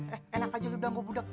eh enak aja lu bilang gue budak